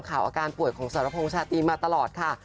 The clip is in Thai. อาการป่วยของสรพงษ์ชาตรีมาตลอดค่ะ